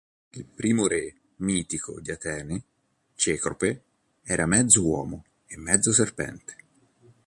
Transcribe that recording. Il primo re mitico di Atene, Cecrope, era mezzo uomo e mezzo serpente.